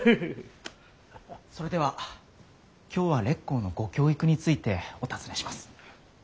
それでは今日は烈公のご教育についてお尋ねします。